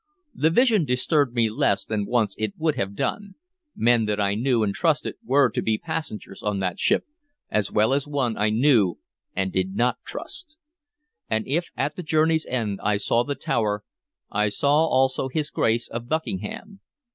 The vision disturbed me less than once it would have done. Men that I knew and trusted were to be passengers on that ship, as well as one I knew and did not trust. And if, at the journey's end, I saw the Tower, I saw also his Grace of Buckingham.